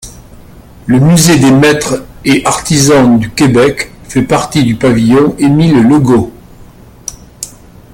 Le Musée des maîtres et artisans du Québec fait partie du pavillon Émile Legault.